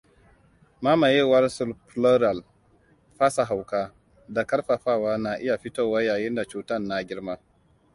Mamayewar subpleural, fasa hauka, da karfafawa na iya fitowa yayinda cutan na girma.